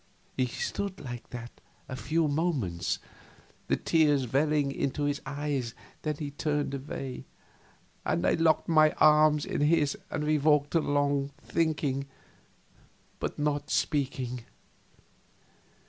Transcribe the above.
He stood like that a few moments, the tears welling into his eyes, then he turned away and I locked my arm in his and we walked along thinking, but not speaking.